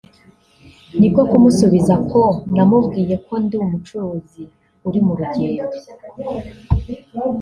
niko kumusubiza ko namubwiye ko ndi umucuruzi uri mu rugendo